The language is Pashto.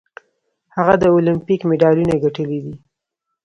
هغه د المپیک مډالونه ګټلي دي.